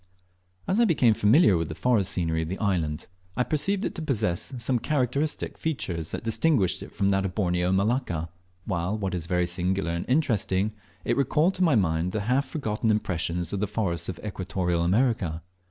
As I became familiar with the forest scenery of the island, I perceived it to possess some characteristic features that distinguished it from that of Borneo and Malacca, while, what is very singular and interesting, it recalled to my mind the half forgotten impressions of the forests of Equatorial America.